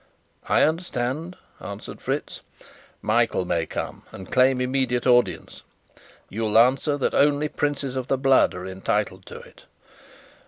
"I understand," answered Fritz. "Michael may come, and claim immediate audience. You'll answer that only princes of the blood are entitled to it."